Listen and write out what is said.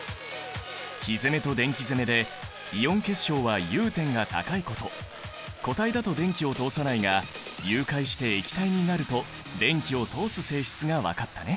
火攻めと電気攻めでイオン結晶は融点が高いこと固体だと電気を通さないが融解して液体になると電気を通す性質が分かったね。